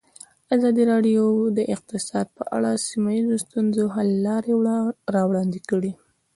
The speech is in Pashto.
ازادي راډیو د اقتصاد په اړه د سیمه ییزو ستونزو حل لارې راوړاندې کړې.